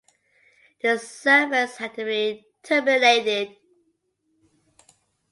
The service had to be terminated.